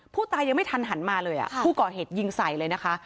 ผู้ตายยังไม่ทันหันมาเลยผู้ก่อเหตุยิงใส่เลยนะคะ